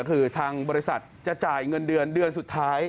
คือทางบริษัทจะจ่ายเงินเดือนเดือนสุดท้าย